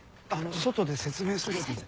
外で説明するんで。